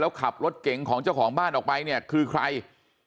ขับรถเก๋งของเจ้าของบ้านออกไปเนี่ยคือใคร